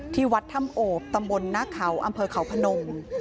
ที่วัดถ้ำโอบตำบลหน้าเขาอำเภอเขาพนม